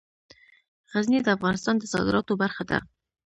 غزني د افغانستان د صادراتو برخه ده.